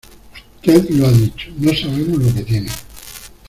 usted lo ha dicho, no sabemos lo que tienen.